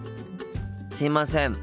すいません。